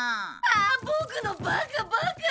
ボクのバカバカ！